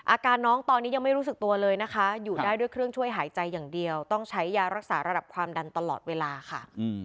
อาการน้องตอนนี้ยังไม่รู้สึกตัวเลยนะคะอยู่ได้ด้วยเครื่องช่วยหายใจอย่างเดียวต้องใช้ยารักษาระดับความดันตลอดเวลาค่ะ